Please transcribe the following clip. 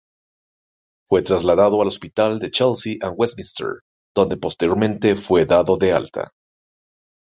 Fue trasladado al hospital de "Chelsea and Westminster", donde posteriormente fue dado de alta.